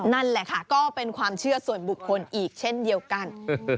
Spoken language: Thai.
นั่นแหละค่ะก็เป็นความเชื่อส่วนบุคคลอีกเช่นเดียวกัน